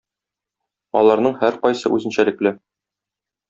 Аларның һәркайсы үзенчәлекле.